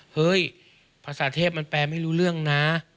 เฮ้ยภาษาเทพมันแปลไม่รู้เรื่องนะ